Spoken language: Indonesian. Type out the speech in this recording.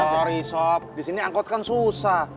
sorry sob disini angkot kan susah